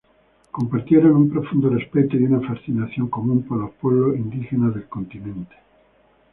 Compartieron un profundo respeto y una fascinación común por los pueblos indígenas del continente.